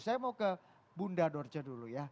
saya mau ke bunda dorce dulu ya